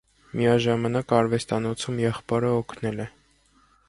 Միաժամանակ արվեստանոցում եղբորը օգնել է։